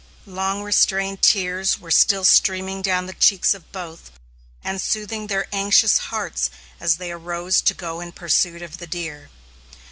Long restrained tears were still streaming down the cheeks of both, and soothing their anxious hearts as they arose to go in pursuit of the deer.